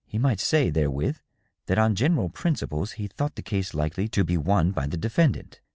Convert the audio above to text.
He might say, therewith, that on general principles he thought the case likely to be won by the defendant.